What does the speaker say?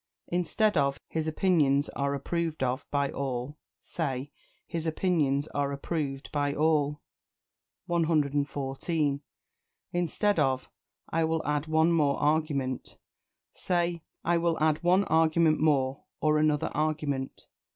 Instead of "His opinions are approved of by all," say "His opinions are approved by all." 114. Instead of "I will add one more argument," say "I will add one argument more," or "another argument."